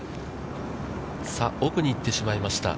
さあ、奥に行ってしまいました。